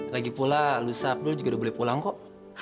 lagipula lusa abdul juga udah boleh pulang kok